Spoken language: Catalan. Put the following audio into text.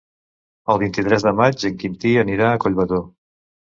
El vint-i-tres de maig en Quintí anirà a Collbató.